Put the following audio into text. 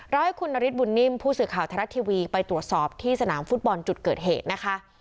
ให้คุณนฤทธบุญนิ่มผู้สื่อข่าวไทยรัฐทีวีไปตรวจสอบที่สนามฟุตบอลจุดเกิดเหตุนะคะ